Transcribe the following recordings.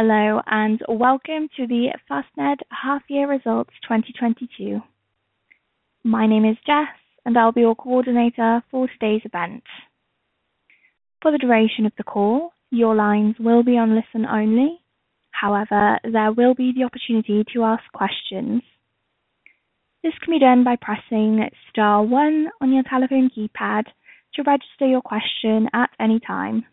Hello, and welcome to the Fastned Half Year Results 2022. My name is Jess and I'll be your coordinator for today's event. For the duration of the call, your lines will be on listen only. However, there will be the opportunity to ask questions. This can be done by pressing star one on your telephone keypad to register your question at any time.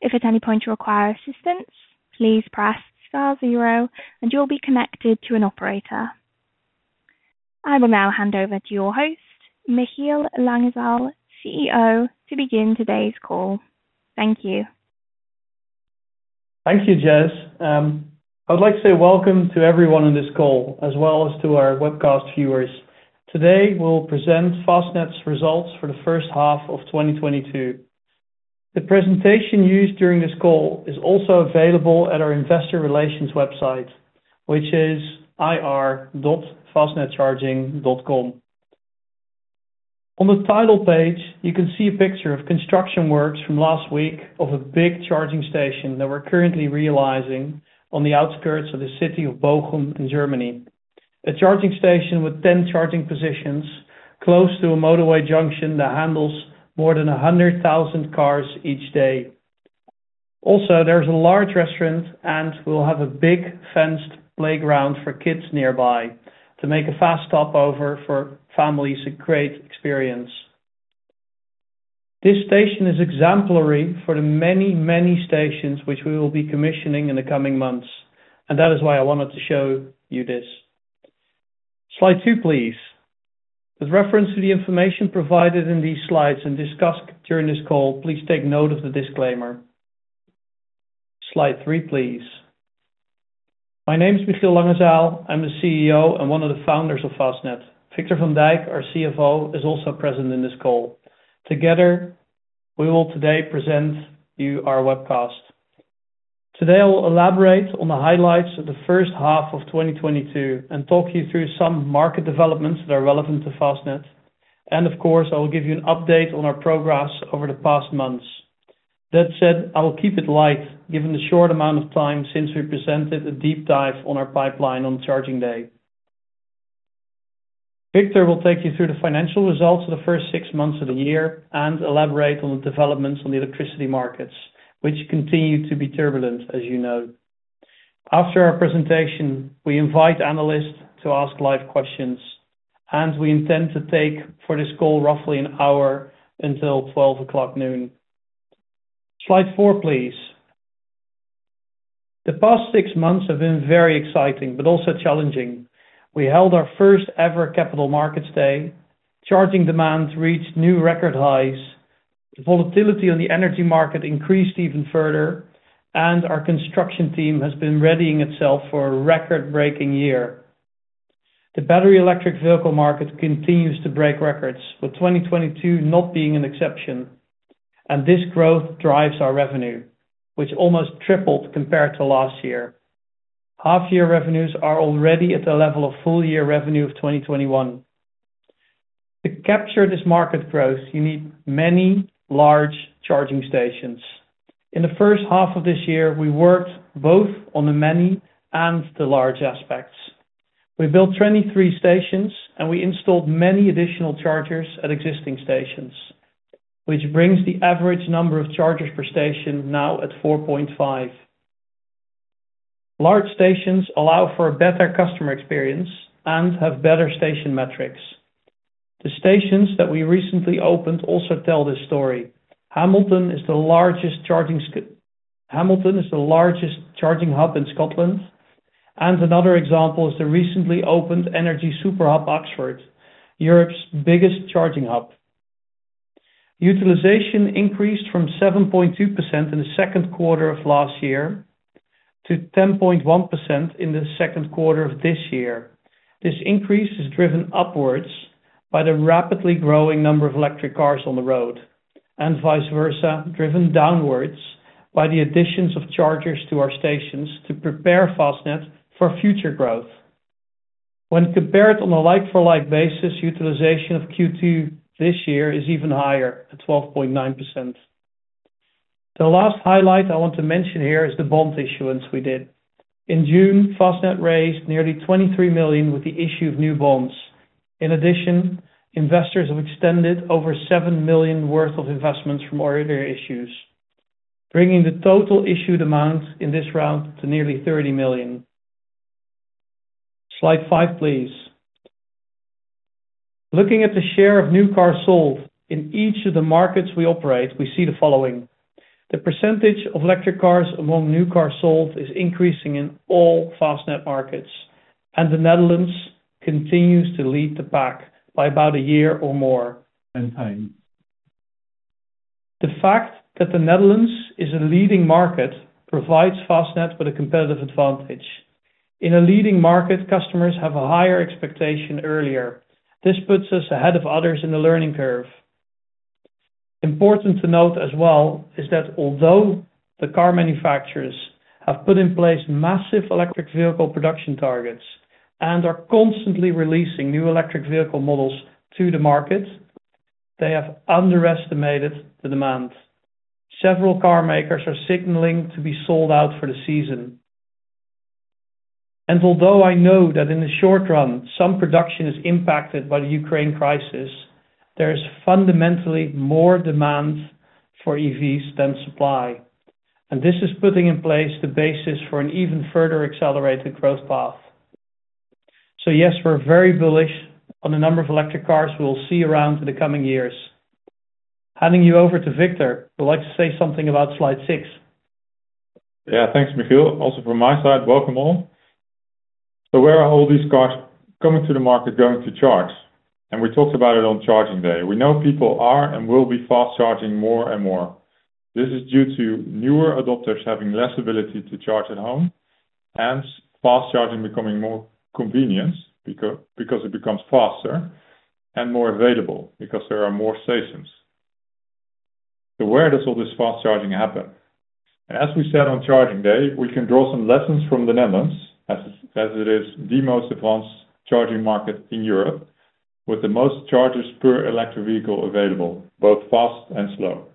If at any point you require assistance, please press star zero and you'll be connected to an operator. I will now hand over to your host, Michiel Langezaal, CEO, to begin today's call. Thank you. Thank you, Jess. I would like to say welcome to everyone on this call as well as to our webcast viewers. Today, we'll present Fastned's results for the first half of 2022. The presentation used during this call is also available at our Investor Relations website, which is ir.fastnedcharging.com. On the title page, you can see a picture of construction works from last week of a big charging station that we're currently realizing on the outskirts of the city of Bochum in Germany. A charging station with 10 charging positions close to a motorway junction that handles more than 100,000 cars each day. Also, there's a large restaurant and will have a big fenced playground for kids nearby to make a fast stop over for families a great experience. This station is exemplary for the many, many stations which we will be commissioning in the coming months, and that is why I wanted to show you this. Slide two, please. With reference to the information provided in these slides and discussed during this call, please take note of the disclaimer. Slide three, please. My name is Michiel Langezaal. I'm the CEO and one of the founders of Fastned. Victor van Dijk, our CFO, is also present in this call. Together, we will today present you our webcast. Today, I will elaborate on the highlights of the first half of 2022 and talk you through some market developments that are relevant to Fastned. Of course, I will give you an update on our progress over the past months. That said, I will keep it light given the short amount of time since we presented a deep dive on our pipeline on Charging Day. Victor will take you through the financial results of the first six months of the year and elaborate on the developments on the electricity markets, which continue to be turbulent, as you know. After our presentation, we invite analysts to ask live questions, and we intend to take for this call roughly an hour until 12:00 noon. Slide four, please. The past six months have been very exciting but also challenging. We held our first ever capital markets day. Charging demand reached new record highs. The volatility on the energy market increased even further, and our construction team has been readying itself for a record-breaking year. The battery electric vehicle market continues to break records, with 2022 not being an exception. This growth drives our revenue, which almost tripled compared to last year. Half year revenues are already at the level of full year revenue of 2021. To capture this market growth, you need many large charging stations. In the first half of this year, we worked both on the many and the large aspects. We built 23 stations, and we installed many additional chargers at existing stations, which brings the average number of chargers per station now at 4.5. Large stations allow for a better customer experience and have better station metrics. The stations that we recently opened also tell this story. Hamilton is the largest charging hub in Scotland, and another example is the recently opened Energy Superhub Oxford, Europe's biggest charging hub. Utilization increased from 7.2% in the second quarter of last year to 10.1% in the second quarter of this year. This increase is driven upwards by the rapidly growing number of electric cars on the road, and vice versa, driven downwards by the additions of chargers to our stations to prepare Fastned for future growth. When compared on a like-for-like basis, utilization of Q2 this year is even higher at 12.9%. The last highlight I want to mention here is the bond issuance we did. In June, Fastned raised nearly 23 million with the issue of new bonds. In addition, investors have extended over 7 million worth of investments from earlier issues, bringing the total issued amount in this round to nearly 30 million. Slide five, please. Looking at the share of new cars sold in each of the markets we operate, we see the following. The percentage of electric cars among new cars sold is increasing in all Fastned markets, and the Netherlands continues to lead the pack by about a year or more in time. The fact that the Netherlands is a leading market provides Fastned with a competitive advantage. In a leading market, customers have a higher expectation earlier. This puts us ahead of others in the learning curve. Important to note as well is that although the car manufacturers have put in place massive electric vehicle production targets and are constantly releasing new electric vehicle models to the market. They have underestimated the demand. Several car makers are signaling to be sold out for the season. Although I know that in the short run, some production is impacted by the UKraine crisis, there is fundamentally more demand for EVs than supply. This is putting in place the basis for an even further accelerated growth path. Yes, we're very bullish on the number of electric cars we'll see around in the coming years. Handing you over to Victor, who'd like to say something about slide six. Yeah, thanks, Michiel. Also from my side, welcome all. Where are all these cars coming to the market going to charge? We talked about it on Charging Day. We know people are and will be fast charging more and more. This is due to newer adopters having less ability to charge at home, hence fast charging becoming more convenient because it becomes faster and more available because there are more stations. Where does all this fast charging happen? As we said on Charging Day, we can draw some lessons from the Netherlands as it is the most advanced charging market in Europe with the most chargers per electric vehicle available, both fast and slow.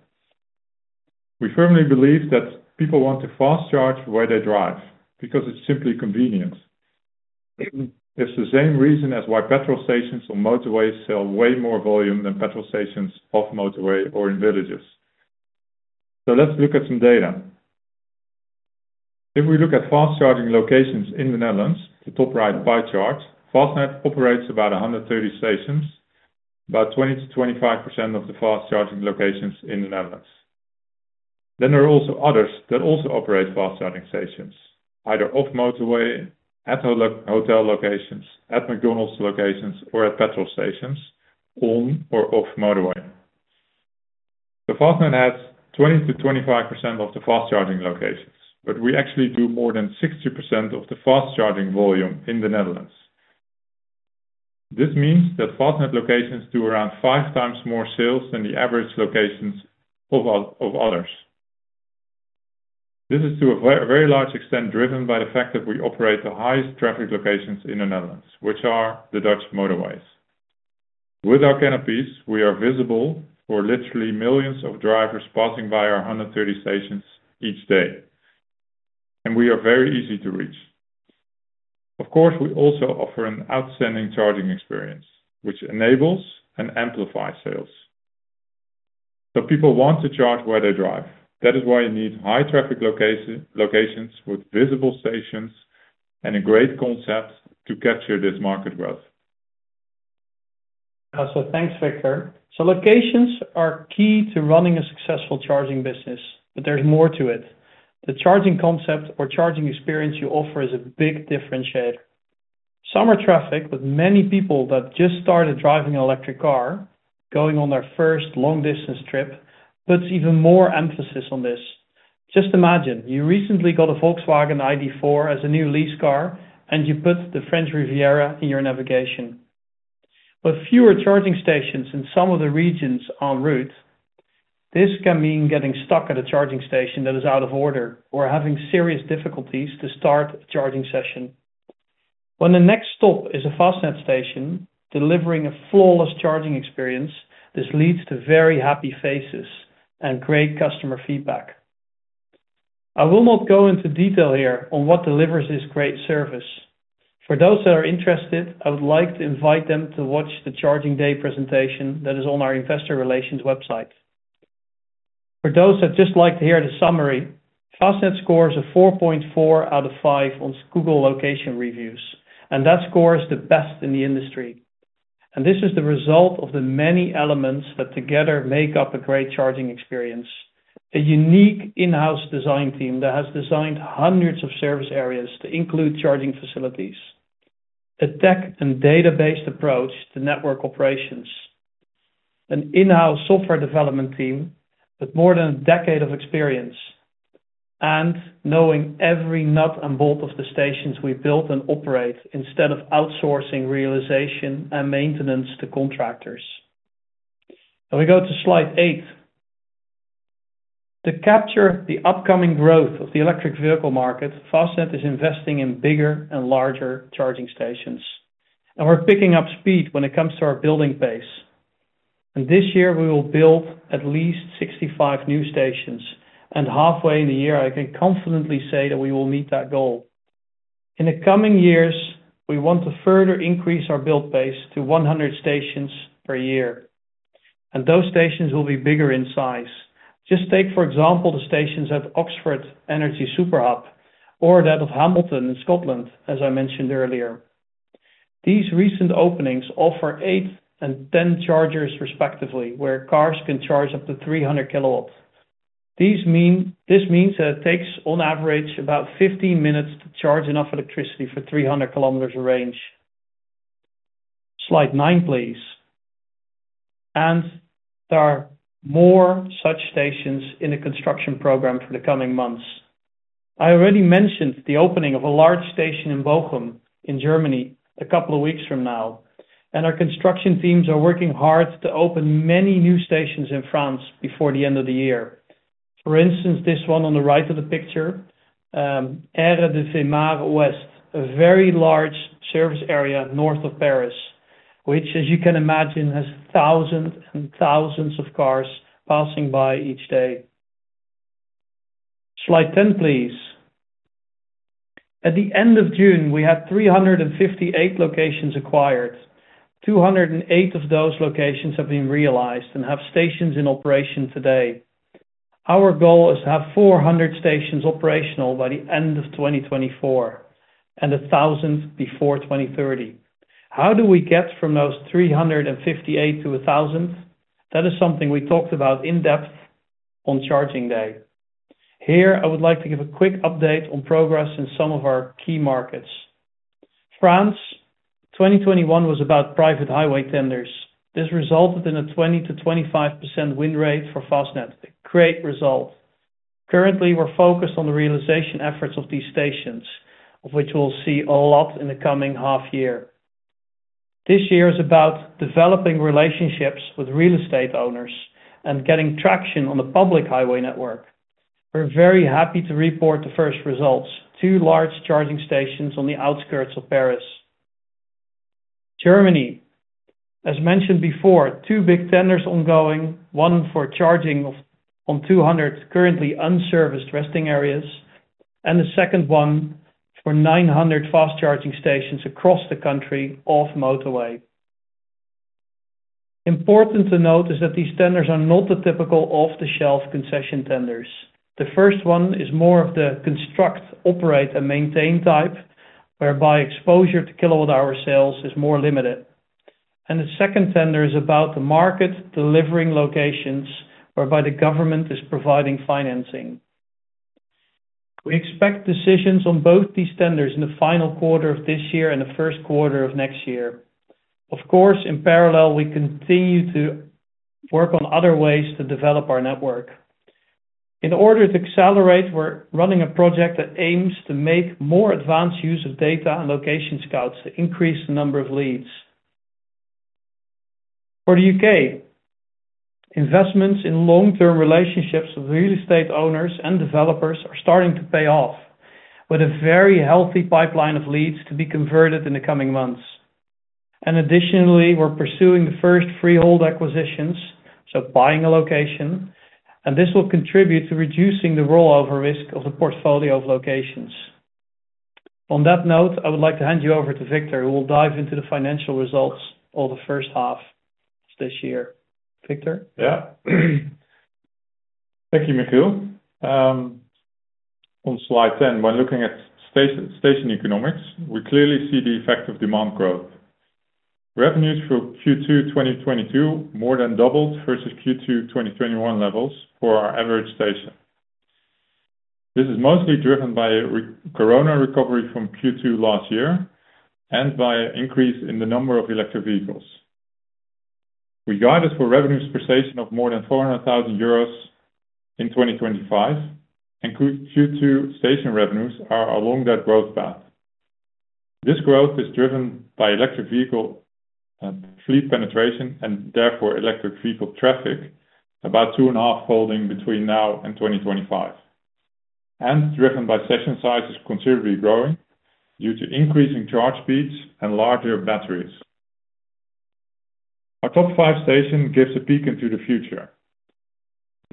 We firmly believe that people want to fast charge where they drive because it's simply convenient. It's the same reason as why petrol stations on motorways sell way more volume than petrol stations off motorway or in villages. Let's look at some data. If we look at fast charging locations in the Netherlands, the top right pie chart, Fastned operates about 130 stations, about 20%-25% of the fast charging locations in the Netherlands. There are also others that also operate fast charging stations, either off motorway, at hotel locations, at McDonald's locations or at petrol stations on or off motorway. Fastned has 20%-25% of the fast charging locations, but we actually do more than 60% of the fast charging volume in the Netherlands. This means that Fastned locations do around five more sales than the average locations of others. This is to a very large extent driven by the fact that we operate the highest traffic locations in the Netherlands, which are the Dutch motorways. With our canopies, we are visible for literally millions of drivers passing by our 130 stations each day, and we are very easy to reach. Of course, we also offer an outstanding charging experience, which enables and amplifies sales. People want to charge where they drive. That is why you need high traffic locations with visible stations and a great concept to capture this market growth. Awesome. Thanks, Victor. Locations are key to running a successful charging business, but there's more to it. The charging concept or charging experience you offer is a big differentiator. Summer traffic with many people that just started driving an electric car, going on their first long distance trip, puts even more emphasis on this. Just imagine, you recently got a Volkswagen ID.4 as a new lease car, and you put the French Riviera in your navigation. With fewer charging stations in some of the regions on route, this can mean getting stuck at a charging station that is out of order or having serious difficulties to start a charging session. When the next stop is a Fastned station delivering a flawless charging experience, this leads to very happy faces and great customer feedback. I will not go into detail here on what delivers this great service. For those that are interested, I would like to invite them to watch the Charging Day presentation that is on our investor relations website. For those that just like to hear the summary, Fastned scores a 4.4 out of five on Google location reviews, and that score is the best in the industry. This is the result of the many elements that together make up a great charging experience. A unique in-house design team that has designed hundreds of service areas to include charging facilities. A tech and data-based approach to network operations. An in-house software development team with more than a decade of experience and knowing every nut and bolt of the stations we build and operate instead of outsourcing realization and maintenance to contractors. We go to slide eight. To capture the upcoming growth of the electric vehicle market, Fastned is investing in bigger and larger charging stations. We're picking up speed when it comes to our building base. This year, we will build at least 65 new stations. Halfway in the year, I can confidently say that we will meet that goal. In the coming years, we want to further increase our build base to 100 stations per year, and those stations will be bigger in size. Just take, for example, the stations at Oxford Energy Superhub or that of Hamilton in Scotland, as I mentioned earlier. These recent openings offer eight and 10 chargers respectively, where cars can charge up to 300 kW. This means that it takes on average about 15 minutes to charge enough electricity for 300 kilometers of range. Slide nine, please. There are more such stations in the construction program for the coming months. I already mentioned the opening of a large station in Bochum in Germany a couple of weeks from now, and our construction teams are working hard to open many new stations in France before the end of the year. For instance, this one on the right of the picture, Aire de Vémars Ouest, a very large service area north of Paris, which as you can imagine, has thousands and thousands of cars passing by each day. Slide 10, please. At the end of June, we had 358 locations acquired. 208 of those locations have been realized and have stations in operation today. Our goal is to have 400 stations operational by the end of 2024 and 1,000 before 2030. How do we get from those 358 to a thousand? That is something we talked about in depth on Charging Day. Here, I would like to give a quick update on progress in some of our key markets. France, 2021 was about private highway tenders. This resulted in a 20%-25% win rate for Fastned. Great result. Currently, we're focused on the realization efforts of these stations, of which we'll see a lot in the coming half year. This year is about developing relationships with real estate owners and getting traction on the public highway network. We're very happy to report the first results, two large charging stations on the outskirts of Paris. Germany, as mentioned before, two big tenders ongoing, one for charging on 200 currently unserviced rest areas, and the second one for 900 fast charging stations across the country off-motorway. Important to note is that these tenders are not the typical off-the-shelf concession tenders. The first one is more of the construct, operate, and maintain type, whereby exposure to kilowatt-hour sales is more limited. The second tender is about the market delivering locations whereby the government is providing financing. We expect decisions on both these tenders in the final quarter of this year and the first quarter of next year. Of course, in parallel, we continue to work on other ways to develop our network. In order to accelerate, we're running a project that aims to make more advanced use of data and location scouts to increase the number of leads. For the U.K., investments in long-term relationships with real estate owners and developers are starting to pay off with a very healthy pipeline of leads to be converted in the coming months. Additionally, we're pursuing the first freehold acquisitions, so buying a location, and this will contribute to reducing the rollover risk of the portfolio of locations. On that note, I would like to hand you over to Victor, who will dive into the financial results of the first half this year. Victor? Yeah. Thank you, Michiel. On slide 10, by looking at station economics, we clearly see the effect of demand growth. Revenues for Q2 2022 more than doubled vs Q2 2021 levels for our average station. This is mostly driven by corona recovery from Q2 last year and by increase in the number of electric vehicles. We guide for revenues per station of more than 400,000 euros in 2025, and Q2 station revenues are along that growth path. This growth is driven by electric vehicle fleet penetration and therefore electric vehicle traffic about two-and-a-half-fold between now and 2025, and driven by station sizes considerably growing due to increasing charge speeds and larger batteries. Our top five stations give a peek into the future.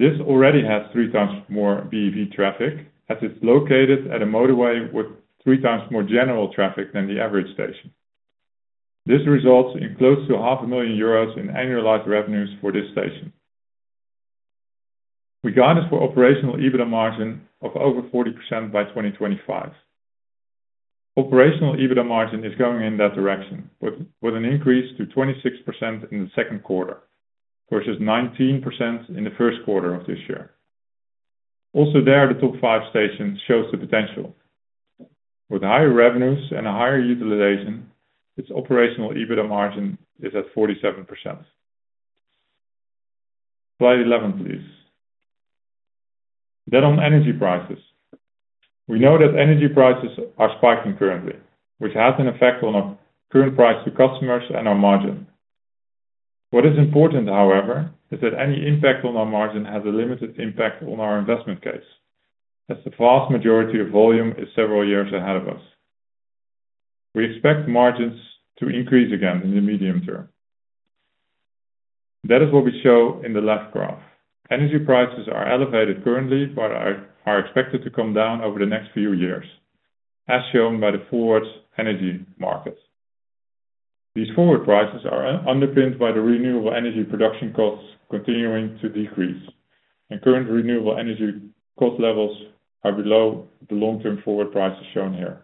This already has three times more BEV traffic as it's located at a motorway with three times more general traffic than the average station. This results in close to EUR half a million in annualized revenues for this station. We guide us for operational EBITDA margin of over 40% by 2025. Operational EBITDA margin is going in that direction with an increase to 26% in the second quarter vs 19% in the first quarter of this year. Also there, the top five stations shows the potential. With higher revenues and a higher utilization, its operational EBITDA margin is at 47%. Slide 11, please. On energy prices. We know that energy prices are spiking currently, which has an effect on our current price to customers and our margin. What is important, however, is that any impact on our margin has a limited impact on our investment case, as the vast majority of volume is several years ahead of us. We expect margins to increase again in the medium term. That is what we show in the left graph. Energy prices are elevated currently, but are expected to come down over the next few years, as shown by the forward energy markets. These forward prices are underpinned by the renewable energy production costs continuing to decrease, and current renewable energy cost levels are below the long-term forward prices shown here.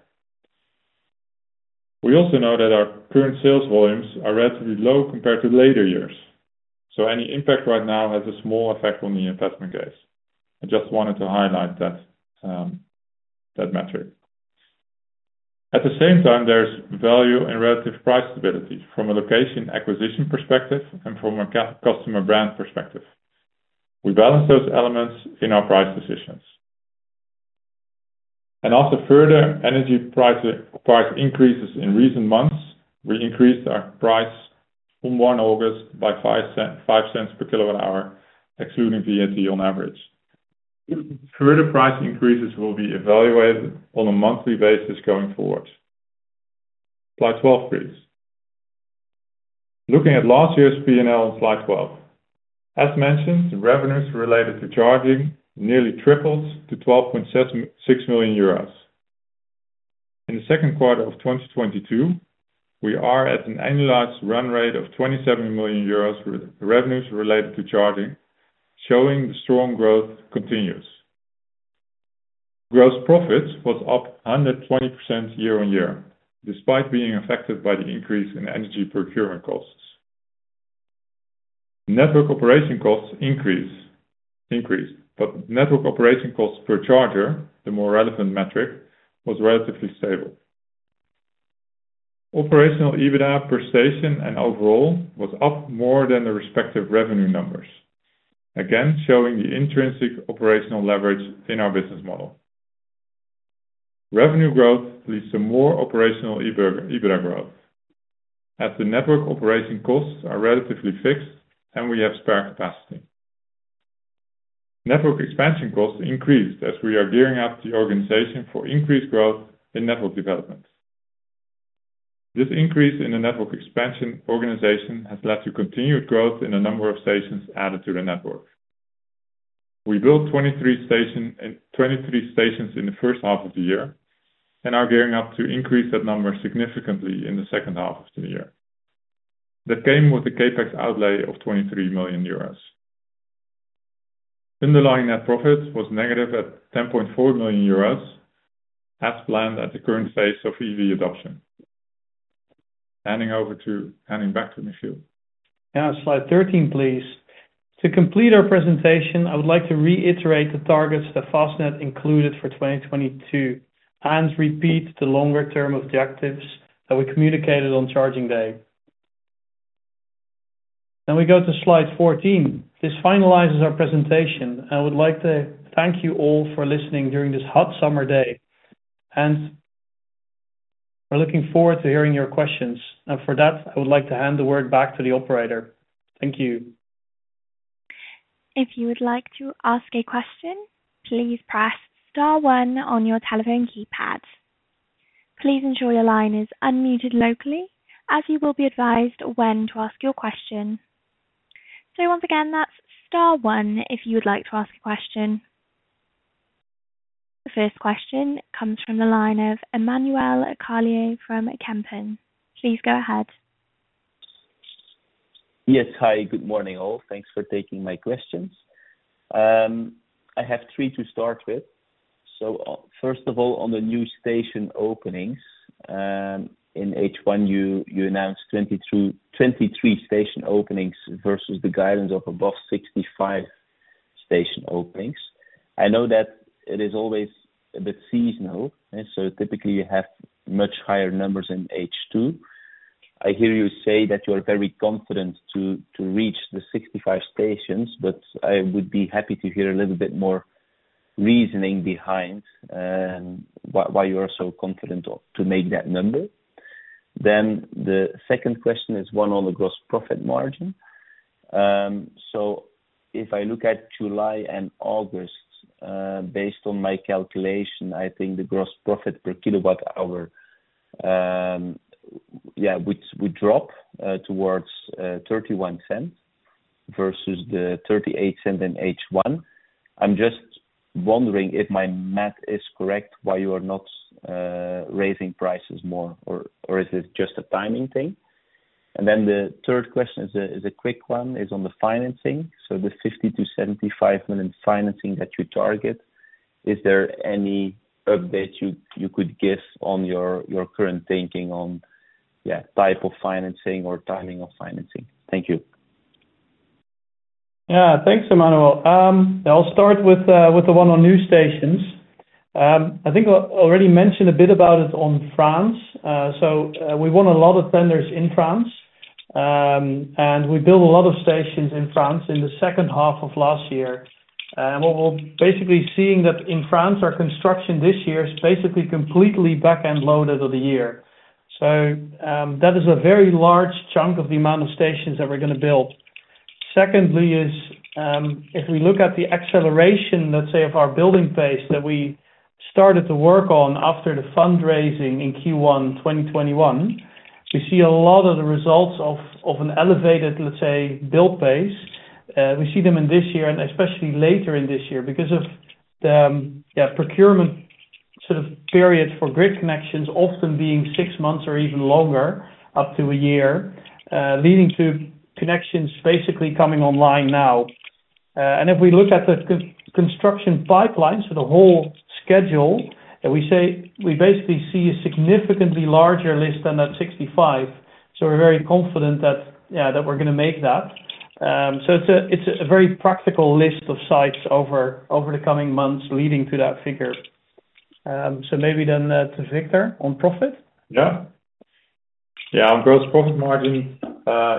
We also know that our current sales volumes are relatively low compared to later years, so any impact right now has a small effect on the investment case. I just wanted to highlight that metric. At the same time, there's value and relative price stability from a location acquisition perspective and from a customer brand perspective. We balance those elements in our price decisions. Also, further energy prices, price increases in recent months, we increased our price from 1 August by five cents per kWh, excluding VAT on average. Further price increases will be evaluated on a monthly basis going forward. Slide 12, please. Looking at last year's P&L on Slide 12. As mentioned, the revenues related to charging nearly tripled to 12.6 million euros. In the second quarter of 2022, we are at an annualized run rate of 27 million euros with revenues related to charging, showing the strong growth continues. Gross profit was up 120% year-on-year, despite being affected by the increase in energy procurement costs. Network operation costs increased, but network operation costs per charger, the more relevant metric, was relatively stable. Operational EBITDA per station and overall was up more than the respective revenue numbers. Again, showing the intrinsic operational leverage in our business model. Revenue growth leads to more operational EBITDA growth as the network operating costs are relatively fixed and we have spare capacity. Network expansion costs increased as we are gearing up the organization for increased growth in network developments. This increase in the network expansion organization has led to continued growth in the number of stations added to the network. We built 23 stations in the first half of the year and are gearing up to increase that number significantly in the second half of the year. That came with a CapEx outlay of 23 million euros. Underlying net profit was negative at 10.4 million euros as planned at the current phase of EV adoption. Handing back to Michiel. Now, slide 13, please. To complete our presentation, I would like to reiterate the targets that Fastned included for 2022 and repeat the longer-term objectives that we communicated on Charging Day. We go to slide 14. This finalizes our presentation, and I would like to thank you all for listening during this hot summer day, and we're looking forward to hearing your questions. Now for that, I would like to hand the word back to the operator. Thank you. If you would like to ask a question, please press star one on your telephone keypad. Please ensure your line is unmuted locally as you will be advised when to ask your question. Once again, that's star one, if you would like to ask a question. The first question comes from the line of Emmanuel Carlier from Kempen. Please go ahead. Yes. Hi, good morning, all. Thanks for taking my questions. I have three to start with. First of all, on the new station openings, in H1, you announced 20 through 23 station openings vs the guidance of above 65 station openings. I know that it is always a bit seasonal, and so typically you have much higher numbers in H2. I hear you say that you are very confident to reach the 65 stations, but I would be happy to hear a little bit more reasoning behind why you are so confident to make that number. The second question is one on the gross profit margin. If I look at July and August, based on my calculation, I think the gross profit per kilowatt-hour would drop towards 0.31 vs the 0.38 in H1. I'm just wondering if my math is correct, why you are not raising prices more or is it just a timing thing? The third question is a quick one on the financing. The 50-75 million financing that you target. Is there any update you could give on your current thinking on type of financing or timing of financing? Thank you. Thanks, Emmanuel. I'll start with the one on new stations. I think I already mentioned a bit about it in France. We won a lot of tenders in France, and we built a lot of stations in France in the second half of last year. What we're basically seeing is that in France, our construction this year is basically completely back-end loaded of the year. That is a very large chunk of the amount of stations that we're gonna build. Secondly is, if we look at the acceleration, let's say, of our building phase that we started to work on after the fundraising in Q1 2021, we see a lot of the results of an elevated, let's say, build phase. We see them in this year and especially later in this year because of the procurement sort of period for grid connections often being six months or even longer, up to a year, leading to connections basically coming online now. If we look at the construction pipeline, so the whole schedule that we say we basically see a significantly larger list than that 65. We're very confident that we're gonna make that. It's a very practical list of sites over the coming months leading to that figure. Maybe to Victor on profit. Yeah, on gross profit margin,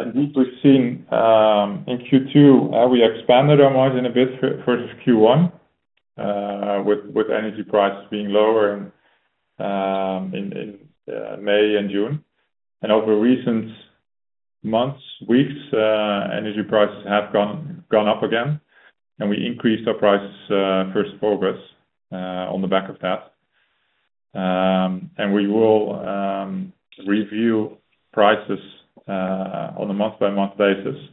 indeed, we've seen in Q2 how we expanded our margin a bit vs Q1 with energy prices being lower in May and June. Over recent months, weeks, energy prices have gone up again, and we increased our prices in response on the back of that. We will review prices on a month-by-month basis.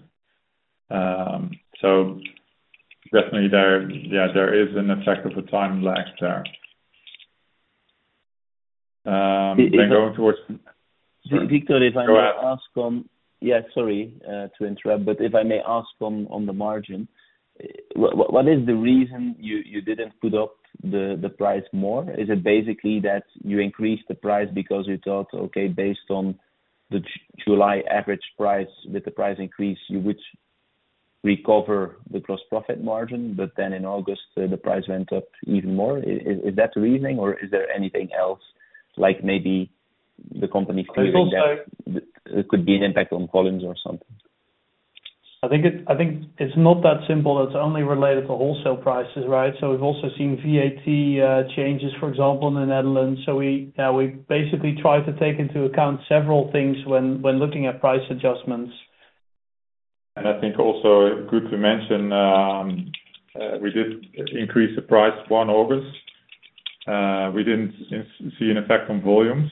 Definitely there is an effect of a time lag there. Victor, if I may ask, Go ahead. Yeah, sorry to interrupt, but if I may ask on the margin, what is the reason you didn't put up the price more? Is it basically that you increased the price because you thought, okay, based on the July average price, with the price increase, you would recover the gross profit margin, but then in August, the price went up even more? Is that the reasoning or is there anything else, like maybe the company feeling that. It's also- It could be an impact on volumes or something? I think it's not that simple. It's only related to wholesale prices, right? We've also seen VAT changes, for example, in the Netherlands. We yeah we basically try to take into account several things when looking at price adjustments. I think it's also good to mention we did increase the price in August. We didn't see an effect on volumes.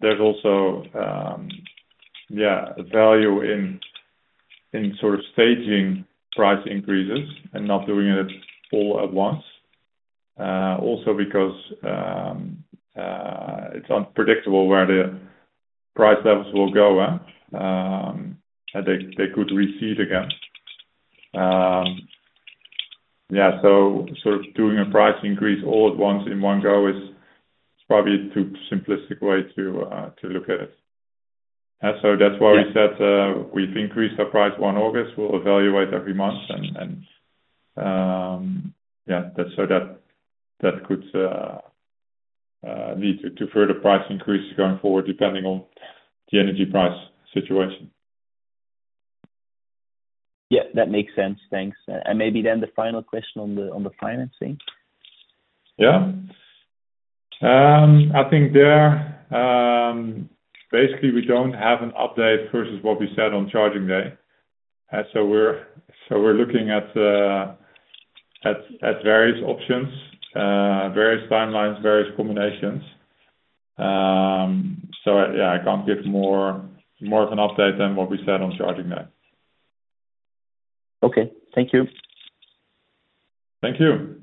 There's also value in sort of staging price increases and not doing it all at once. Also because it's unpredictable where the price levels will go, and they could recede again. Sort of doing a price increase all at once in one go is, it's probably too simplistic way to look at it. That's why we said, we've increased our price in August. We'll evaluate every month and that's so that could lead to further price increases going forward, depending on the energy price situation. Yeah, that makes sense. Thanks. Maybe then the final question on the financing. Yeah. I think basically we don't have an update vs what we said on Charging Day. We're looking at various options, various timelines, various combinations. Yeah, I can't give more of an update than what we said on Charging Day. Okay. Thank you. Thank you.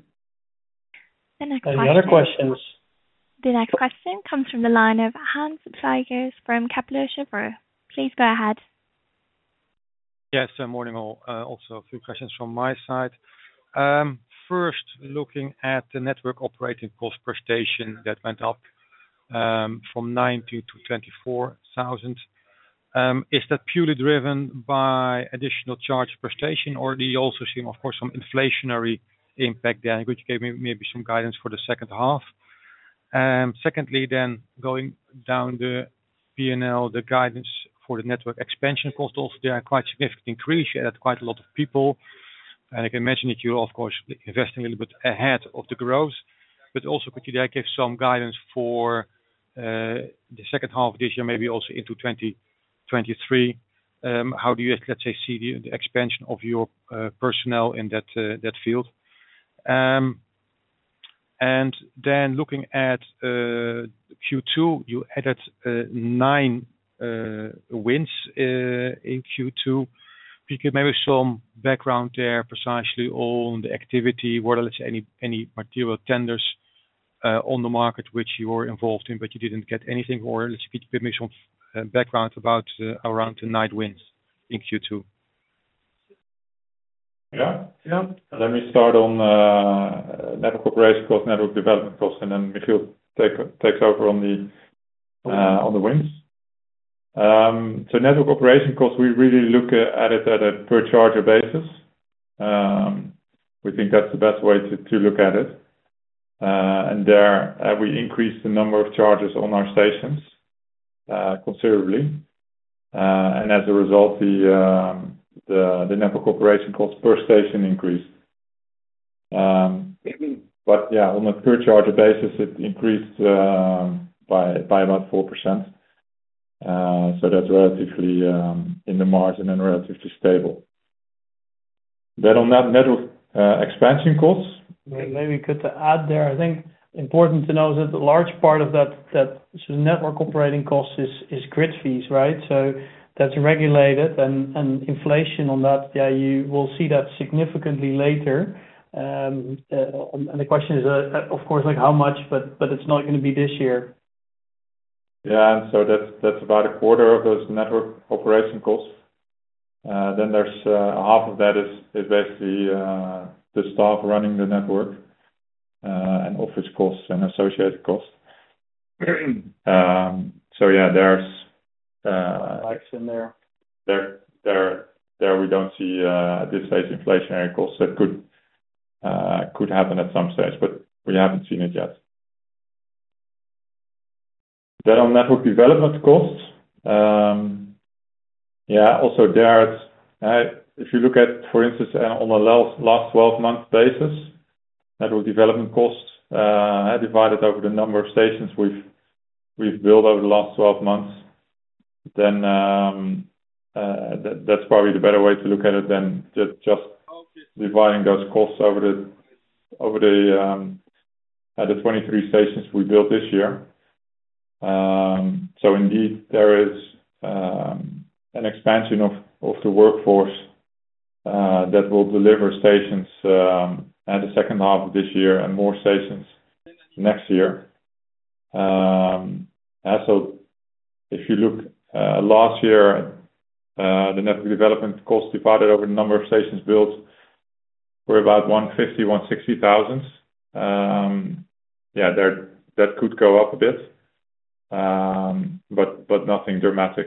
The next question. Any other questions? The next question comes from the line of Hans Pluijgers from Kepler Cheuvreux. Please go ahead. Yes, good morning all. Also a few questions from my side. First, looking at the network operating cost per station that went up from 9,000 to 24,000. Is that purely driven by additional chargers per station, or do you also see of course some inflationary impact there, which gave me maybe some guidance for the second half? Second, going down the P&L, the guidance for the network expansion cost also, there are quite significant increase. You added quite a lot of people. I can imagine that you're of course investing a little bit ahead of the growth, but also could you then give some guidance for the second half of this year, maybe also into 2023, how do you, let's say, see the expansion of your personnel in that field? Looking at Q2, you added nine wins in Q2. Could you maybe some background there precisely on the activity? Were there, let's say, any material tenders on the market which you were involved in, but you didn't get anything? Let's get maybe some background about around the nine wins in Q2. Yeah. Yeah. Let me start on network operation cost, network development cost, and then Michiel takes over on the wins. Network operation costs, we really look at it at a per charger basis. We think that's the best way to look at it. There, we increased the number of chargers on our stations considerably. As a result, the network operation cost per station increased. Yeah, on a per charger basis, it increased by about 4%. That's relatively in the margin and relatively stable. On that network expansion costs. Maybe I could add there. I think important to know that a large part of that network operating cost is grid fees, right? That's regulated and inflation on that, yeah. You will see that significantly later. The question is, of course like how much? It's not gonna be this year. Yeah. That's about a quarter of those network operation costs. There's half of that is basically the staff running the network, and office costs and associated costs. Yeah, there's Costs in there. We don't see at this stage inflationary costs that could happen at some stage, but we haven't seen it yet. On network development costs, also there's if you look at, for instance, on a last 12-month basis, network development costs are divided over the number of stations we've built over the last 12 months. That's probably the better way to look at it than just dividing those costs over the 23 stations we built this year. So indeed there is an expansion of the workforce that will deliver stations at the second half of this year and more stations next year. If you look, the network development costs divided over the number of stations built were about 150 thousand-160 thousand. Yeah, that could go up a bit, but nothing dramatic.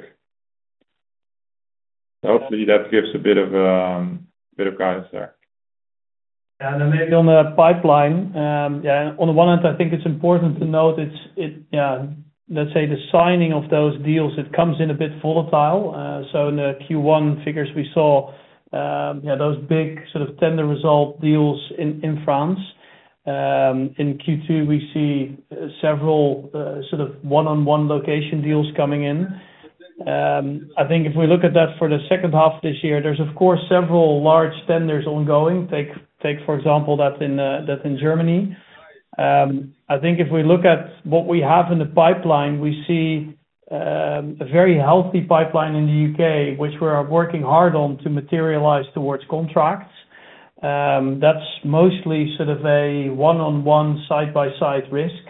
Hopefully that gives a bit of guidance there. Then maybe on the pipeline, on the one end, I think it's important to note that the signing of those deals comes in a bit volatile. In the Q1 figures we saw, those big sort of tender result deals in France. In Q2, we see several sort of one-on-one location deals coming in. I think if we look at that for the second half of this year, there's of course several large tenders ongoing. Take for example, that's in Germany. I think if we look at what we have in the pipeline, we see a very healthy pipeline in the U.K., which we're working hard on to materialize towards contracts. That's mostly sort of a one-on-one site-by-site risk.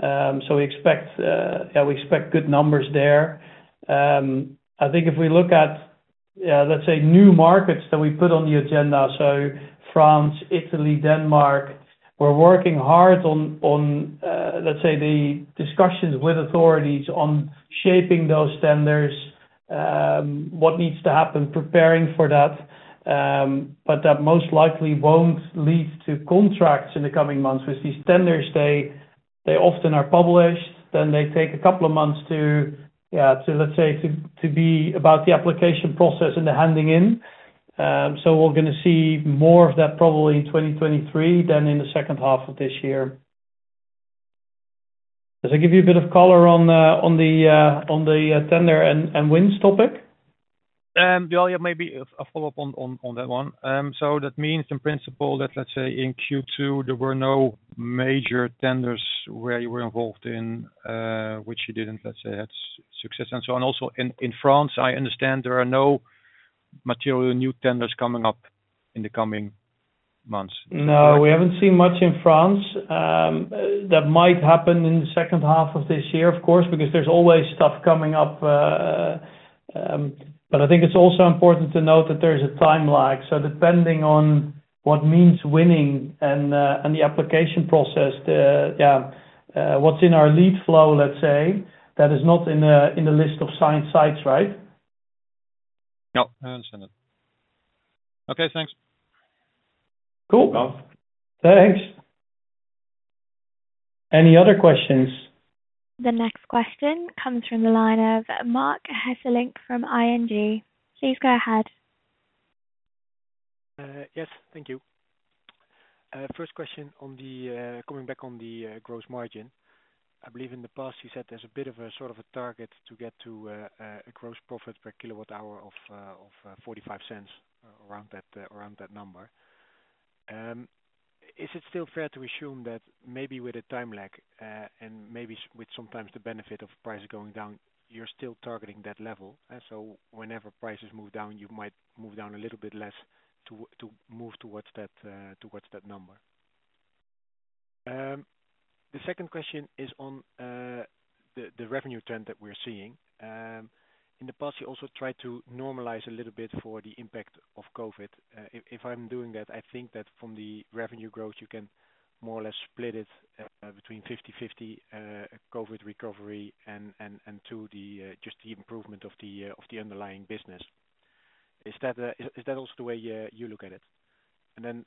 We expect, yeah, we expect good numbers there. I think if we look at let's say new markets that we put on the agenda, so France, Italy, Denmark, we're working hard on let's say the discussions with authorities on shaping those tenders, what needs to happen, preparing for that, but that most likely won't lead to contracts in the coming months. With these tenders, they often are published, then they take a couple of months to let's say to be about the application process and the handing in. We're gonna see more of that probably in 2023 than in the second half of this year. Does that give you a bit of color on the tender and wins topic? Well, yeah, maybe a follow-up on that one. That means in principle that, let's say in Q2, there were no major tenders where you were involved in, which you didn't, let's say, had success. And so on also in France, I understand there are no material new tenders coming up in the coming months. No, we haven't seen much in France. That might happen in the second half of this year, of course, because there's always stuff coming up. But I think it's also important to note that there's a time lag. Depending on what means winning and the application process, what's in our lead flow, let's say, that is not in the list of signed sites, right? Yep. I understand that. Okay, thanks. Cool. No. Thanks. Any other questions? The next question comes from the line of Marc Hesselink from ING. Please go ahead. Yes. Thank you. First question on the coming back on the gross margin. I believe in the past you said there's a bit of a sort of a target to get to a gross profit per kilowatt-hour of 0.45 around that number. Is it still fair to assume that maybe with a time lag and maybe with sometimes the benefit of prices going down, you're still targeting that level? Whenever prices move down, you might move down a little bit less to move towards that number. The second question is on the revenue trend that we're seeing. In the past, you also tried to normalize a little bit for the impact of COVID. If I'm doing that, I think that from the revenue growth, you can more or less split it between 50/50, COVID recovery and to the just the improvement of the underlying business. Is that also the way you look at it? Then,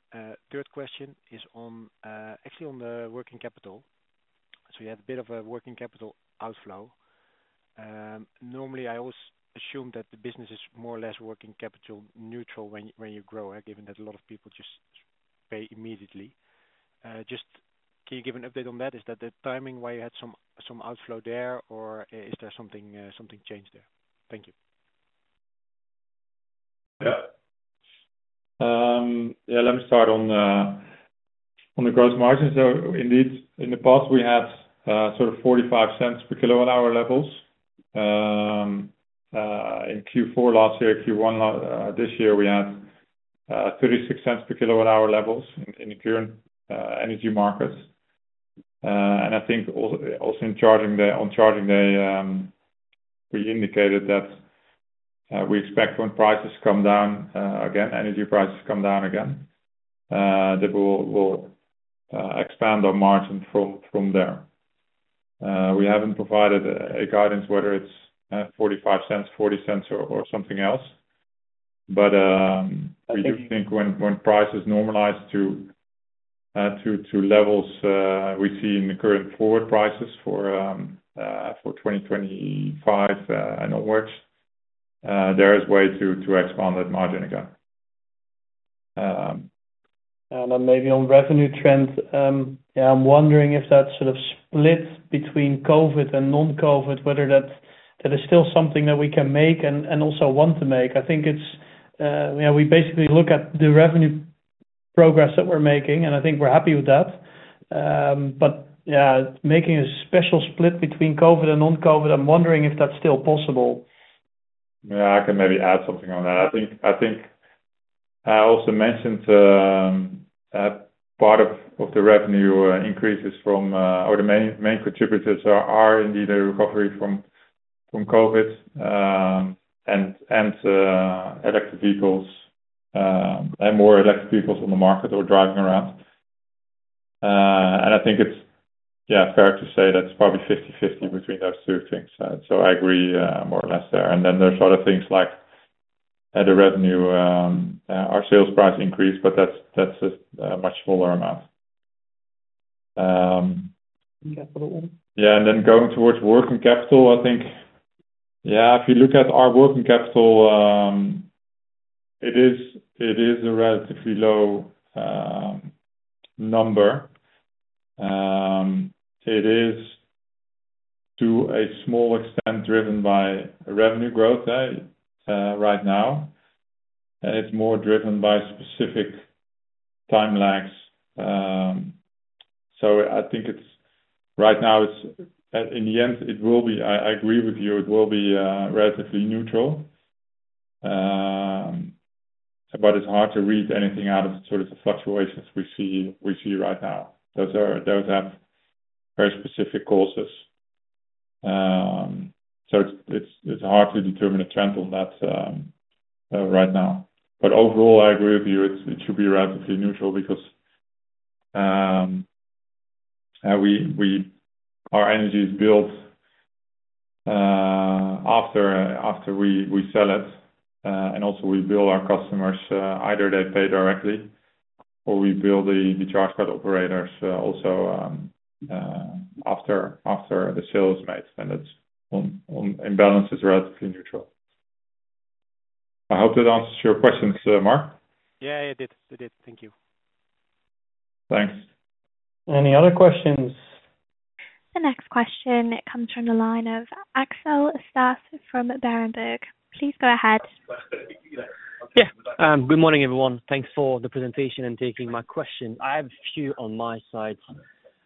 third question is on actually on the working capital. You have a bit of a working capital outflow. Normally, I always assume that the business is more or less working capital neutral when you grow, given that a lot of people just pay immediately. Just, can you give an update on that? Is that the timing why you had some outflow there, or is there something changed there? Thank you. Yeah, let me start on the gross margins. Indeed, in the past we had sort of 0.45 per kWh levels. In Q4 last year, Q1 this year, we had 0.36 per kWh levels in the current energy markets. I think also on Charging Day, we indicated that we expect when prices come down again, energy prices come down again, that we'll expand our margin from there. We haven't provided a guidance whether it's 0.45, 0.40 or something else. We do think when prices normalize to levels we see in the current forward prices for 2025 and onwards there is way to expand that margin again. Maybe on revenue trends, yeah, I'm wondering if that sort of split between COVID and non-COVID, whether that is still something that we can make and also want to make. I think it's, you know, we basically look at the revenue progress that we're making, and I think we're happy with that. But yeah, making a special split between COVID and non-COVID, I'm wondering if that's still possible. Yeah, I can maybe add something on that. I think I also mentioned part of the revenue, the main contributors are indeed a recovery from COVID and electric vehicles and more electric vehicles on the market or driving around. I think it's, yeah, fair to say that's probably 50/50 between those two things. I agree more or less there. There's other things like at the revenue our sales price increase, but that's a much smaller amount. Capital. Yeah. Going towards working capital, I think, yeah, if you look at our working capital, it is a relatively low number. It is to a small extent driven by revenue growth right now. It's more driven by specific time lags. I think right now, in the end it will be. I agree with you, it will be relatively neutral. But it's hard to read anything out of sort of the fluctuations we see right now. Those have very specific causes. It's hard to determine a trend on that right now. But overall, I agree with you. It should be relatively neutral because our energy is billed after we sell it. Also we bill our customers, either they pay directly or we bill the charge card operators, also, after the sale is made, and it's on imbalances relatively neutral. I hope that answers your questions, Marc. Yeah, it did. Thank you. Thanks. Any other questions? The next question comes from the line of Axel Stasse from Berenberg. Please go ahead. Yeah. Good morning, everyone. Thanks for the presentation and taking my question. I have a few on my side.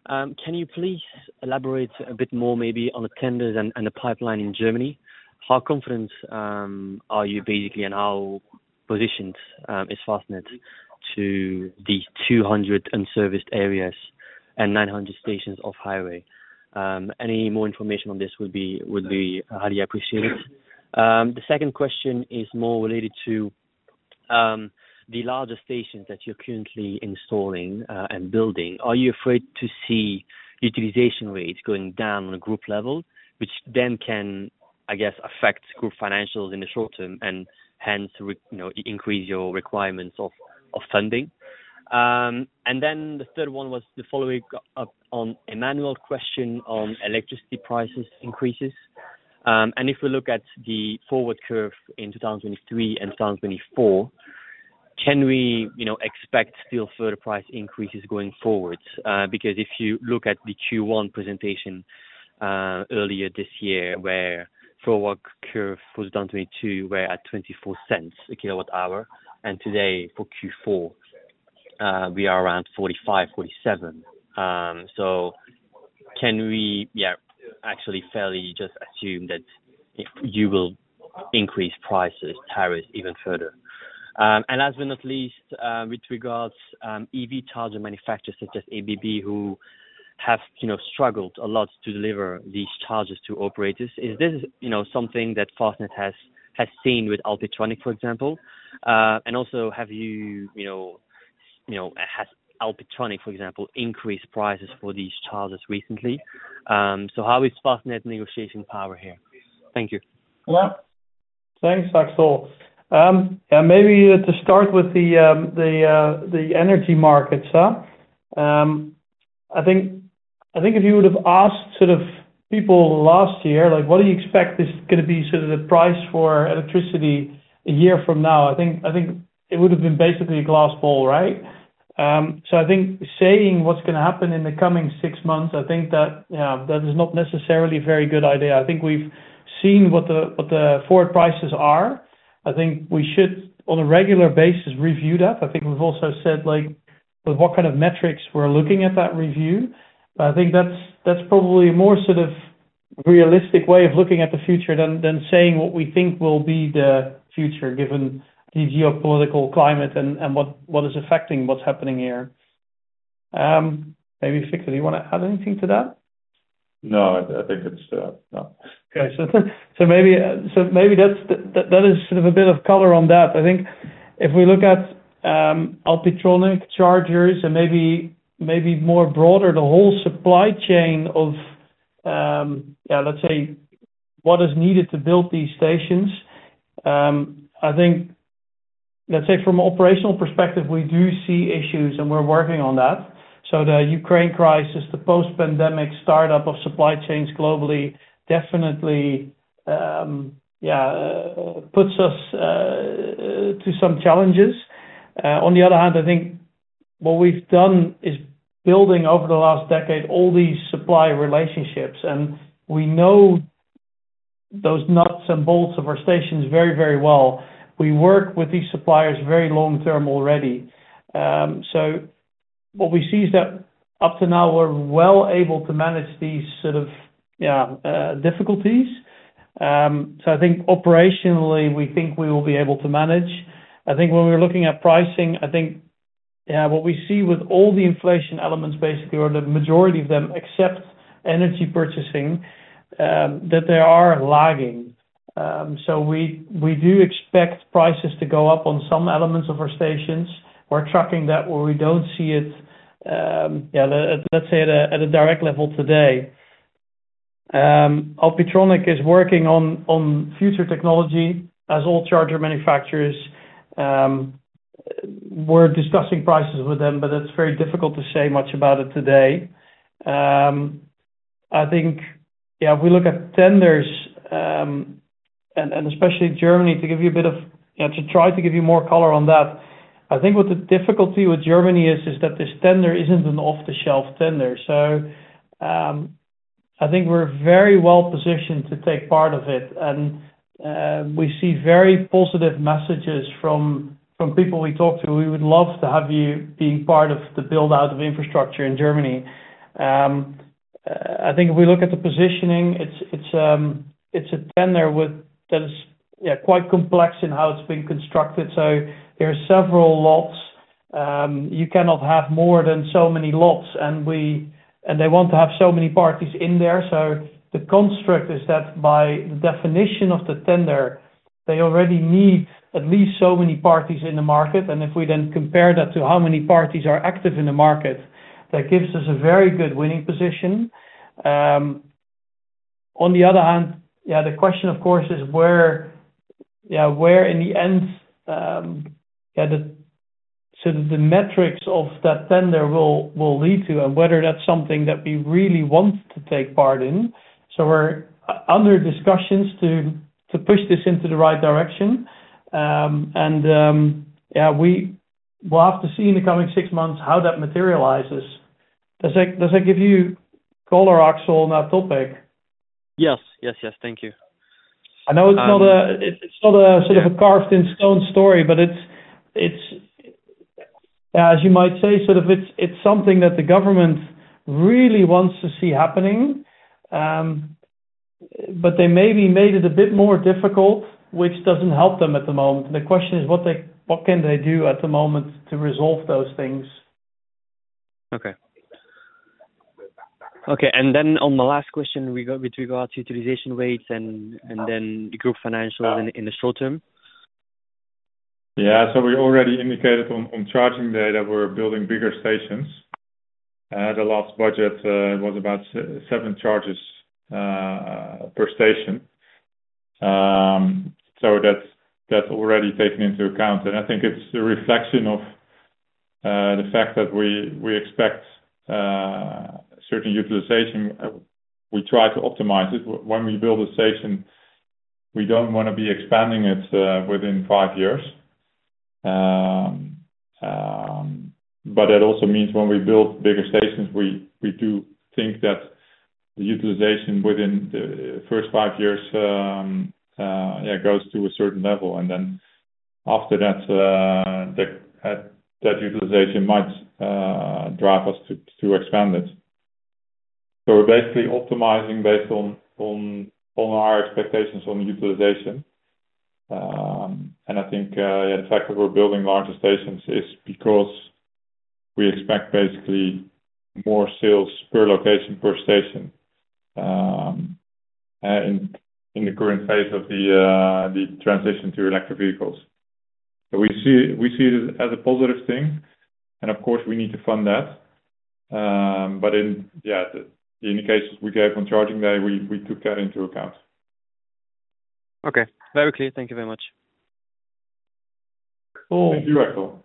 Can you please elaborate a bit more maybe on the tenders and the pipeline in Germany? How confident are you basically and how positioned is Fastned to the 200 unserviced areas and 900 stations off highway? Any more information on this would be highly appreciated. The second question is more related to the larger stations that you're currently installing and building. Are you afraid to see utilization rates going down on a group level, which then can, I guess, affect group financials in the short term and hence you know, increase your requirements of funding? And then the third one was the following up on Emmanuel question on electricity prices increases. If we look at the forward curve in 2023 and 2024, can we, you know, expect still further price increases going forward? Because if you look at the Q1 presentation earlier this year where forward curve for 2022 were at 0.24 EUR/kWh, and today for Q4, we are around 0.45-0.47 EUR/kWh. Can we, actually fairly just assume that if you will increase prices, tariffs even further? Last but not least, with regards to EV charger manufacturers such as ABB who have, you know, struggled a lot to deliver these chargers to operators. Is this, you know, something that Fastned has seen with Alpitronic, for example? Also have you know, has Alpitronic, for example, increased prices for these chargers recently? How is Fastned negotiation power here? Thank you. Yeah. Thanks, Axel. Maybe to start with the energy markets, huh. I think if you would have asked sort of people last year, like what do you expect is gonna be sort of the price for electricity a year from now? I think it would have been basically a crystal ball, right? I think saying what's gonna happen in the coming six months, I think that, yeah, that is not necessarily a very good idea. I think we've seen what the forward prices are. I think we should, on a regular basis, review that. I think we've also said like with what kind of metrics we're looking at that review. I think that's probably a more sort of realistic way of looking at the future than saying what we think will be the future, given the geopolitical climate and what is affecting what's happening here. Maybe Victor van Dijk, do you wanna add anything to that? No, I think it's no. That is sort of a bit of color on that. I think. If we look at Alpitronic chargers and maybe more broadly, the whole supply chain of, let's say what is needed to build these stations. I think, let's say from operational perspective, we do see issues and we're working on that. the UKraine crisis, the post-pandemic start-up of supply chains globally, definitely puts us to some challenges. On the other hand, I think what we've done is building over the last decade, all these supply relationships, and we know those nuts and bolts of our stations very, very well. We work with these suppliers very long-term already. What we see is that up to now, we're well able to manage these sort of difficulties. I think operationally, we think we will be able to manage. I think when we're looking at pricing, I think, yeah, what we see with all the inflation elements basically, or the majority of them except energy purchasing, that they are lagging. We do expect prices to go up on some elements of our stations. We're tracking that where we don't see it, yeah, let's say at a direct level today. Alpitronic is working on future technology as all charger manufacturers. We're discussing prices with them, but it's very difficult to say much about it today. I think, yeah, if we look at tenders, and especially Germany, to give you a bit of, you know, to try to give you more color on that. I think what the difficulty with Germany is that this tender isn't an off-the-shelf tender. I think we're very well-positioned to take part of it. We see very positive messages from people we talk to. We would love to have you be part of the build-out of infrastructure in Germany. I think if we look at the positioning, it's a tender that is quite complex in how it's been constructed. There are several lots. You cannot have more than so many lots, and they want to have so many parties in there. The construct is that by the definition of the tender, they already need at least so many parties in the market. If we then compare that to how many parties are active in the market, that gives us a very good winning position. On the other hand, the question of course is where in the end the sort of the metrics of that tender will lead to, and whether that's something that we really want to take part in. We're under discussions to push this into the right direction. We will have to see in the coming six months how that materializes. Does that give you color, Axel, on that topic? Yes. Thank you. I know it's not a sort of a carved in stone story, but it's, as you might say, sort of something that the government really wants to see happening. But they maybe made it a bit more difficult, which doesn't help them at the moment. The question is what can they do at the moment to resolve those things? Okay, on the last question we go, which regards utilization rates and then group financial in the short term. Yeah. We already indicated on Charging Day that we're building bigger stations. The last budget was about seven charges per station. So that's already taken into account. I think it's a reflection of the fact that we expect certain utilization. We try to optimize it. When we build a station, we don't wanna be expanding it within five years. But it also means when we build bigger stations, we do think that the utilization within the first five years goes to a certain level, and then after that utilization might drive us to expand it. We're basically optimizing based on our expectations on utilization. I think, yeah, the fact that we're building larger stations is because we expect basically more sales per location, per station, in the current phase of the transition to electric vehicles. We see it as a positive thing, and of course we need to fund that. Yeah, the indications we gave on Charging Day, we took that into account. Okay. Very clear. Thank you very much. Cool. Thank you, Axel.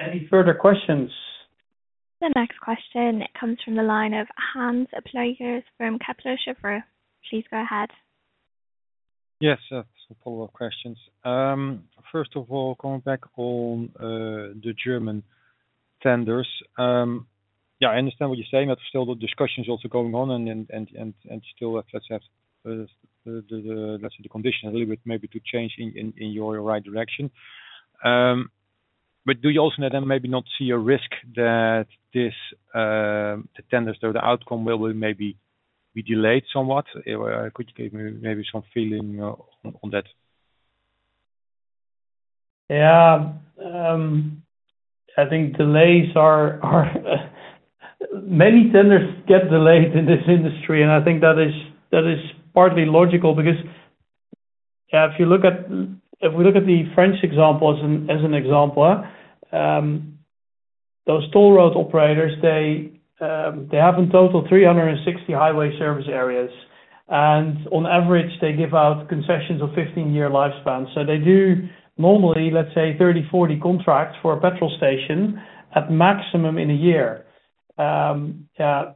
Any further questions? The next question, it comes from the line of Hans Pluijgers from Kepler Cheuvreux. Please go ahead. Yes. Some follow-up questions. First of all, coming back on the German tenders. Yeah, I understand what you're saying, that still the discussion's also going on and still let's say the condition a little bit maybe to change in your right direction. Do you also then maybe not see a risk that this, the tenders or the outcome will maybe be delayed somewhat? Could you give me maybe some feeling on that? Yeah. I think delays are many tenders get delayed in this industry, and I think that is partly logical because if we look at the French example as an example, those toll road operators have in total 360 highway service areas. On average, they give out concessions of 15-year lifespan. They do normally, let's say, 30, 40 contracts for a petrol station at maximum in a year. Last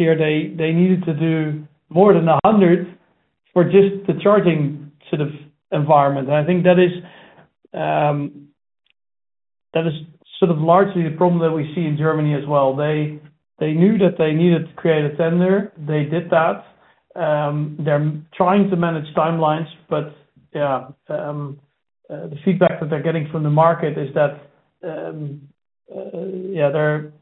year, they needed to do more than 100 for just the charging sort of environment. I think that is sort of largely the problem that we see in Germany as well. They knew that they needed to create a tender. They did that. They're trying to manage timelines. Yeah, the feedback that they're getting from the market is that, yeah, there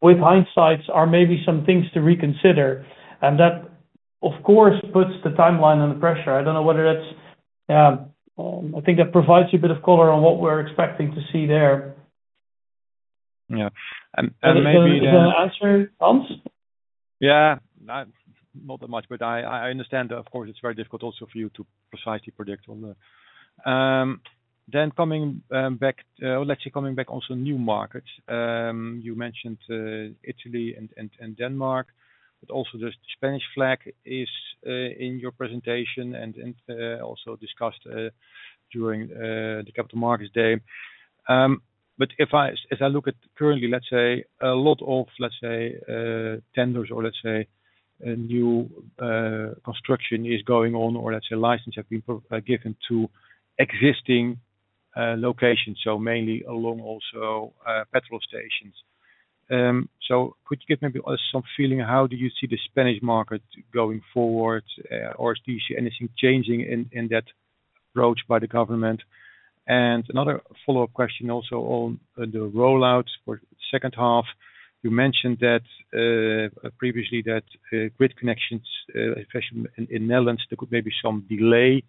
with hindsight are maybe some things to reconsider. That, of course, puts the timeline under pressure. I think that provides you a bit of color on what we're expecting to see there. Yeah. Maybe then. Does that answer, Hans? Yeah. Not that much, but I understand. Of course, it's very difficult also for you to precisely predict on that. Then coming back to new markets. You mentioned Italy and Denmark, but also the Spanish flag is in your presentation and also discussed during the capital markets day. If I look at currently a lot of tenders or a new construction is going on, or licenses have been given to existing locations, so mainly along also petrol stations. Could you give maybe us some feeling how do you see the Spanish market going forward? Or do you see anything changing in that approach by the government? Another follow-up question also on the rollouts for second half. You mentioned that previously that grid connections, especially in Netherlands, there could may be some delay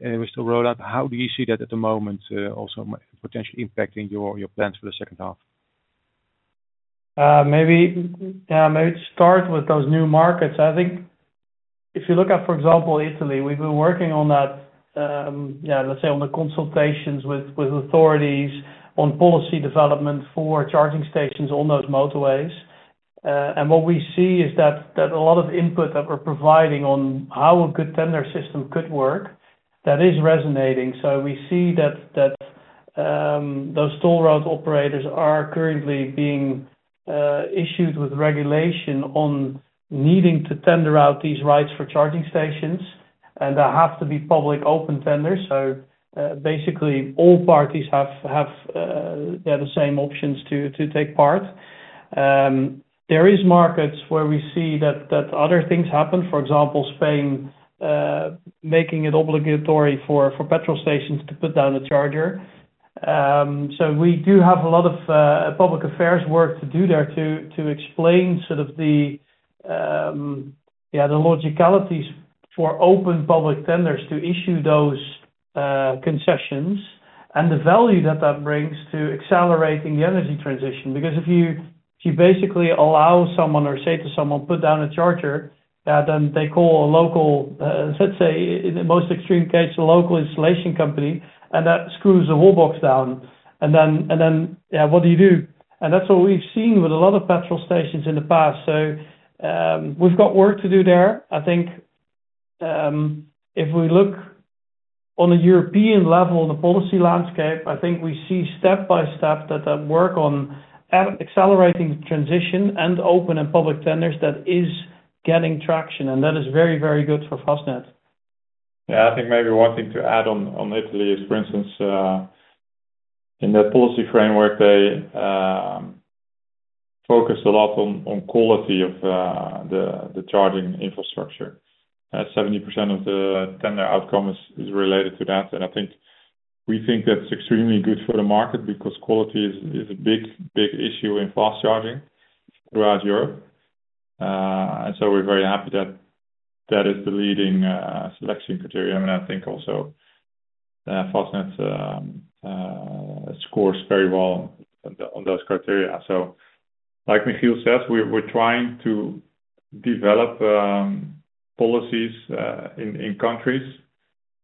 with the rollout. How do you see that at the moment, also potentially impacting your plans for the second half? Maybe start with those new markets. I think if you look at, for example, Italy, we've been working on that, let's say on the consultations with authorities on policy development for charging stations on those motorways. What we see is that a lot of input that we're providing on how a good tender system could work, that is resonating. We see that those toll road operators are currently being issued with regulation on needing to tender out these rights for charging stations, and there have to be public open tenders. Basically all parties have the same options to take part. There is markets where we see that other things happen. For example, Spain, making it obligatory for petrol stations to put down a charger. We do have a lot of public affairs work to do there to explain sort of the yeah the logicalities for open public tenders to issue those concessions and the value that that brings to accelerating the energy transition. Because if you basically allow someone or say to someone put down a charger then they call a local let's say in the most extreme case a local installation company and that screws the whole box down. Then yeah what do you do? That's what we've seen with a lot of petrol stations in the past. We've got work to do there. I think, if we look on a European level, the policy landscape, I think we see step-by-step that that work on accelerating transition and open and public tenders that is getting traction, and that is very, very good for Fastned. Yeah. I think maybe one thing to add on Italy is, for instance, in that policy framework, they focus a lot on quality of the charging infrastructure. 70% of the tender outcome is related to that. I think we think that's extremely good for the market because quality is a big issue in fast charging throughout Europe. We're very happy that that is the leading selection criteria. I think also Fastned scores very well on those criteria. Like Michiel says, we're trying to develop policies in countries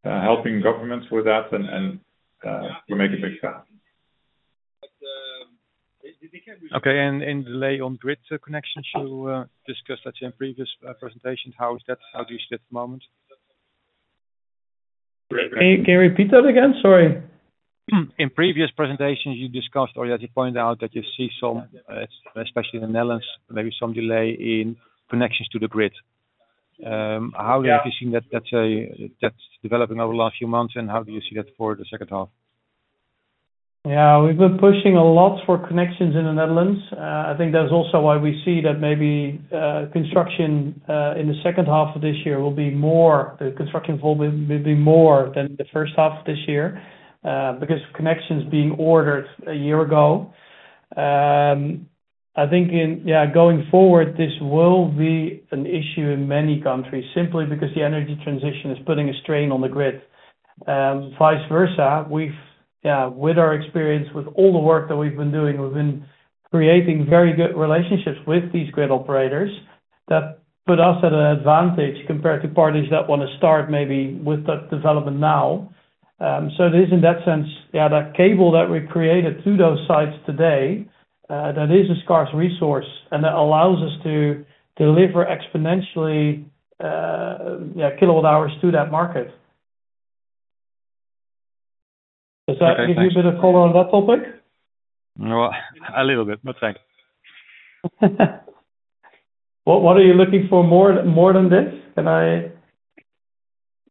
helping governments with that and we make a big step. Okay. Delay on grid connection to discuss, let's say in previous presentations, how is that? How do you see at the moment? Can you repeat that again? Sorry. In previous presentations you discussed or as you point out, that you see some, especially in the Netherlands, maybe some delay in connections to the grid. How are you seeing that that's developing over the last few months, and how do you see that for the second half? Yeah. We've been pushing a lot for connections in the Netherlands. I think that's also why we see that maybe construction in the second half of this year will be more than the first half of this year because of connections being ordered a year ago. I think going forward, this will be an issue in many countries simply because the energy transition is putting a strain on the grid. Vice versa, with our experience with all the work that we've been doing, we've been creating very good relationships with these grid operators that put us at an advantage compared to parties that wanna start maybe with that development now. It is in that sense, that cable that we created to those sites today, that is a scarce resource, and that allows us to deliver exponentially, kilowatt hours to that market. Does that give you a bit of color on that topic? Well, a little bit, but thanks. What are you looking for more than this?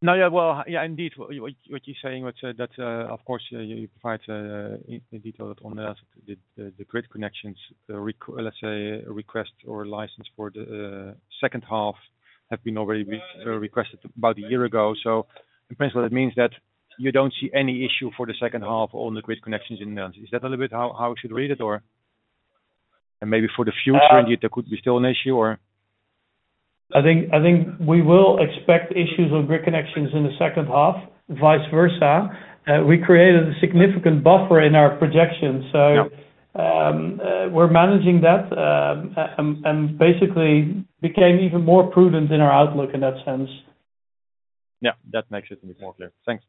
No, yeah. Well, yeah, indeed. What you're saying, what's that, of course, you provide in detail on the grid connections request or license for the second half have been already re-requested about a year ago. So in principle, it means that you don't see any issue for the second half on the grid connections in the Netherlands. Is that a little bit how we should read it? Maybe for the future, indeed, there could be still an issue or? I think we will expect issues with grid connections in the second half, vice versa. We created a significant buffer in our projections. Yeah. We're managing that, and basically became even more prudent in our outlook in that sense. Yeah, that makes it more clear. Thanks.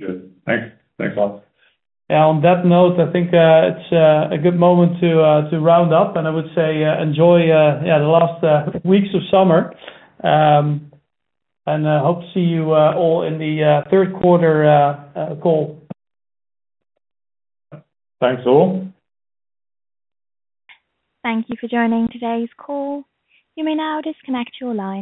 Good. Thanks. Thanks, Hans. On that note, I think it's a good moment to round up, and I would say, enjoy the last weeks of summer. Hope to see you all in the third quarter call. Thanks all. Thank you for joining today's call. You may now disconnect your line.